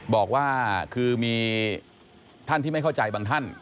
บอกว่าคือมีท่านที่ไม่เข้าใจบางท่าน